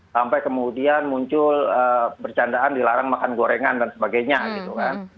sampai kemudian muncul bercandaan dilarang makan gorengan dan sebagainya gitu kan